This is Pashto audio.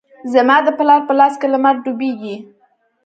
زما د پلار په لاس کې لمر ډوبیږې